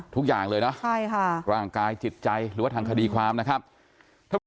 ทุกอย่างเลยนะใช่ค่ะร่างกายจิตใจหรือว่าทางคดีความนะครับท่านผู้